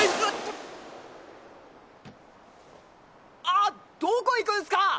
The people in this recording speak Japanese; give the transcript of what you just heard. あっどこ行くんすか！